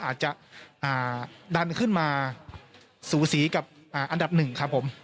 หมายถึงว่าอาจจะดันขึ้นมาสูสีกับอันดับ๑ครับผม